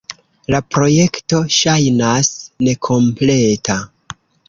La projekto ŝajnas nekompleta.